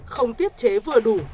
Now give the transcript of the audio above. không tiết chế vừa đủ